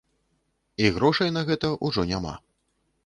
І грошай на гэта ўжо няма.